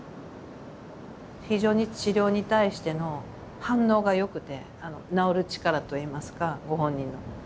非常に治療に対しての反応がよくて治る力といいますかご本人の。